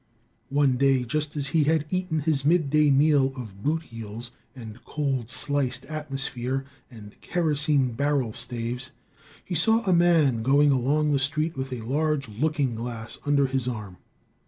One day, just as he had eaten his midday meal of boot heels and cold sliced atmosphere and kerosene barrel staves, he saw a man going along the street with a large looking glass under his arm.